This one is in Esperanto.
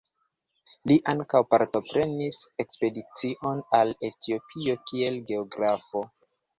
Li ankaŭ partoprenis ekspedicion al Etiopio kiel geografo.